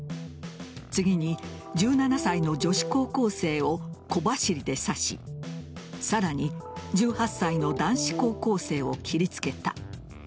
次に１７歳の女子高校生を小走りで刺しさらに１８歳の男子高校生を切りつけた。